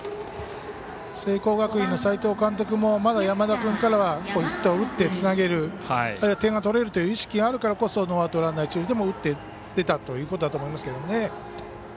聖光学院の斎藤監督もまだ山田君からはヒットを打ってつなげる、点が取れるという意識があるからこそノーアウト、ランナー、一塁でも打って出たということだと思いますけどね。